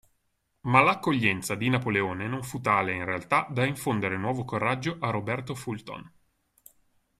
Ma l'accoglienza di Napoleone non fu tale, in realtà, da infondere nuovo coraggio a Roberto Fulton.